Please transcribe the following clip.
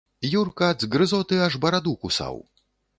Юрка ад згрызоты аж бараду кусаў.